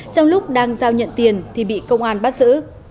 trong lúc đang giao nhận tiền thì bị công an bắt giữ